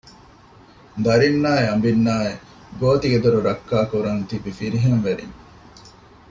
ދަރިންނާއި އަނބިންނާއި ގޯތިގެދޮރު ރައްކާ ކުރަން ތިބި ފިރިހެންވެރިން